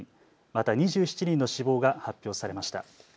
また２７人の死亡が発表されました。